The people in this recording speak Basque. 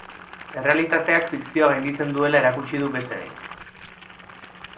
Errealitateak fikzioa gainditzen duela erakutsi du beste behin.